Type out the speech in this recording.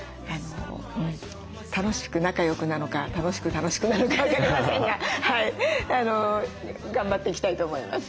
楽しく仲良くなのか楽しく楽しくなのか分かりませんが頑張っていきたいと思います。